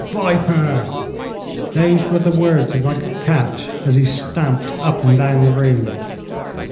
Viper!' those were the words that I could catch as he stamped up and down the room.